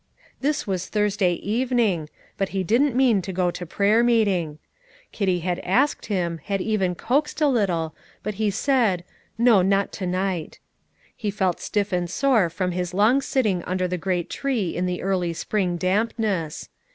This was Thursday evening, but he didn't mean to go to prayer meeting. Kitty had asked him, had even coaxed a little, but he said, "No, not to night." He felt stiff and sore from his long sitting under the great tree in the early spring dampness.